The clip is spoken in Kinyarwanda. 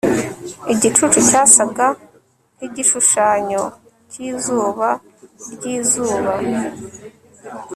igicucu cyasaga nkigishushanyo cyizuba ryizuba